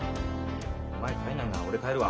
お前帰んないんなら俺帰るわ。